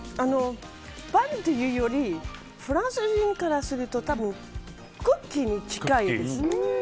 パンというよりフランス人からするとたぶんクッキーに近いです。